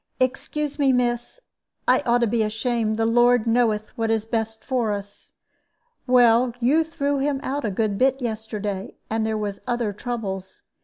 Excuse me, miss, I ought to be ashamed. The Lord knoweth what is best for us. Well, you threw him out a good bit yesterday, and there was other troubles.